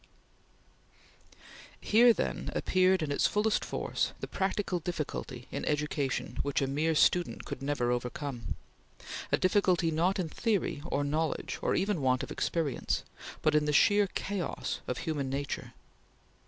Here, then, appeared in its fullest force, the practical difficulty in education which a mere student could never overcome; a difficulty not in theory, or knowledge, or even want of experience, but in the sheer chaos of human nature.